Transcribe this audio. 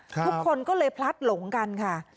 ทุกคนก็เลยพลัดหลงกันค่ะ